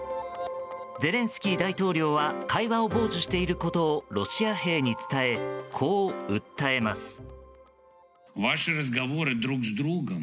ゼレンスキー大統領は会話を傍受していることをロシア兵に伝え、こう訴えます。